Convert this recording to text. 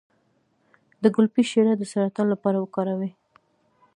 د ګلپي شیره د سرطان لپاره وکاروئ